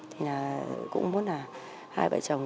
thì là cũng muốn là hai vợ chồng